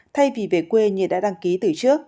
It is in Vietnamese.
thay vì về quê như đã đăng ký từ trước